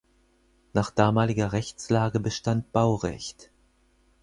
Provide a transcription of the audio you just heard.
Nach damaliger Rechtslage bestand Baurecht.